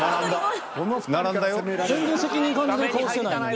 全然責任感じてる顔してないもんな。